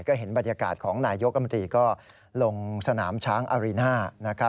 ก็เห็นบรรยากาศของนายยกรัฐมนตรีก็ลงสนามช้างอารีน่านะครับ